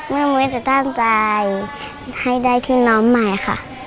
มึงจะต้องจ่ายให้ได้ที่นอนใหม่ค่ะ